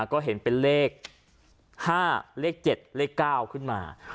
ก็เห็นเป็นเลข๕เลข๗เลข๙ขึ้นมา